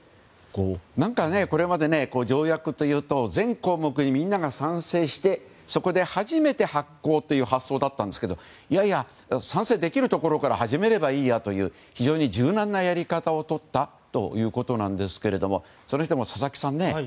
何かこれまで条約というと全項目にみんなが賛成してそこで初めて発効という発想だったんですが賛成できるところから始めればいいやという非常に柔軟なやり方をとったわけなんですがそれにしても佐々木さん